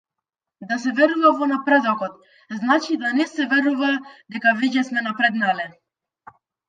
Да се верува во напредокот значи да не се верува дека веќе сме напреднале.